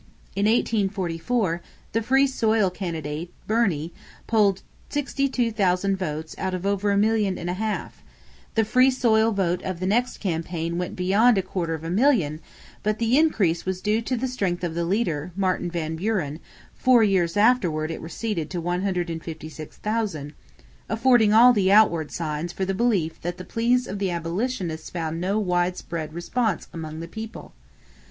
In 1844, the Free Soil candidate, Birney, polled 62,000 votes out of over a million and a half; the Free Soil vote of the next campaign went beyond a quarter of a million, but the increase was due to the strength of the leader, Martin Van Buren; four years afterward it receded to 156,000, affording all the outward signs for the belief that the pleas of the abolitionist found no widespread response among the people.